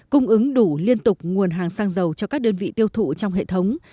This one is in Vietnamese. cung ứng đủ liên tục nguồn hàng xăng dầu cho các đơn vị tiêu thụ trong hệ thống